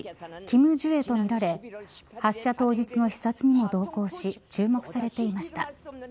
キム・ジュエとみられ発射当日の視察にも同行し注目されていました。